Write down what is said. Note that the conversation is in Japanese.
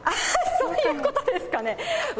そういうことですかね。